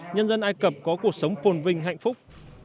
nhân dân ai cập có cuộc sống phồn vinh hạnh phúc